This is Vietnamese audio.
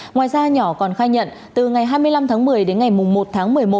ngoài ra nhỏ còn khai nhận từ ngày hai mươi năm tháng một mươi đến ngày một tháng một mươi một